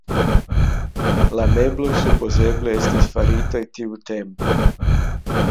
La mebloj supozeble estis faritaj tiutempe.